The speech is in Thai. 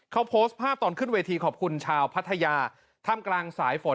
เขาโพสต์ภาพตอนขึ้นเวทีขอบคุณชาวพัทยาท่ามกลางสายฝน